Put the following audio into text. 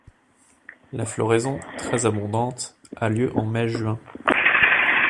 La floraison, très abondante, a lieu en mai-juin.